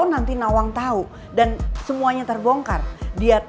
bisa bisa nawang akan membalas kita lebih parah nanti